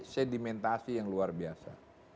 sedimentasi yang luar biasa